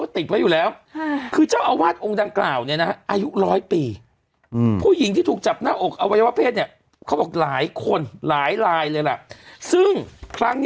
ทีละทุกท่านที่ละหนูมาแล้ว